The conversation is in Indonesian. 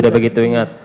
tidak begitu ingat